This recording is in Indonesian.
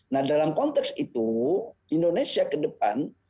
nah dalam konteks itu indonesia ke depan